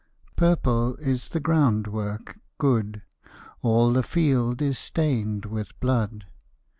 Purple is the groundwork: good! All the field is stained with blood.